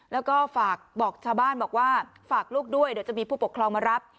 แล้วก็ฝากบอกชาวบ้านบอกว่าฝากลูกด้วยเดี๋ยวจะมีผู้ปกครองมารับ